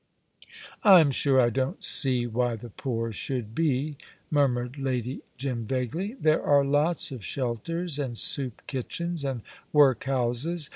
"I'm sure I don't see why the poor should be," murmured Lady Jim, vaguely; "there are lots of shelters and soup kitchens and workhouses.